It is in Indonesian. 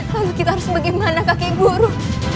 lalu kita harus bagaimana kakek guru